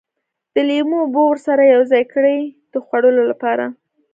د لیمو اوبه ورسره یوځای کړي د خوړلو لپاره.